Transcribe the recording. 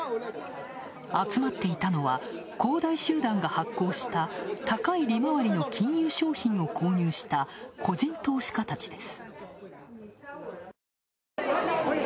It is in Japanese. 集まっていたのは、恒大集団が発行した高い利回りの金融商品を購入した個人投資家たちです。